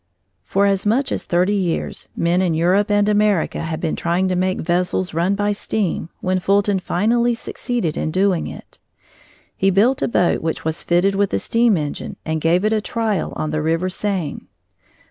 For as much as thirty years men in Europe and America had been trying to make vessels run by steam when Fulton finally succeeded in doing it. He built a boat which was fitted with a steam engine and gave it a trial on the river Seine.